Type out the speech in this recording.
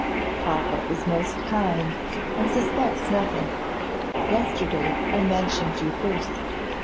Papa is most kind, and suspects nothing. Yesterday I mentioned you first.